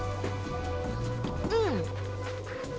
うん。